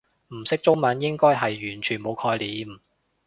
唔識中文應該係完全冇概念